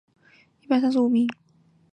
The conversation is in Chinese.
应天府乡试第一百三十五名。